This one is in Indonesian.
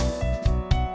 oke sampai jumpa